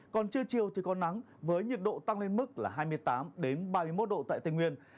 còn trưa chiều thì có nắng với nhiệt độ tăng lên mức là hai mươi tám ba mươi một độ tại tây nguyên